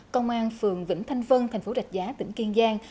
công an phường vĩnh thanh vân tp đạch giá tỉnh kiên giang